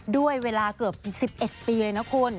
ด้วยเวลาเกือบ๑๑ปีเลยนะคุณ